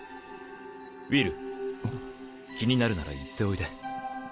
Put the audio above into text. ウィル気になるなら行っておいで。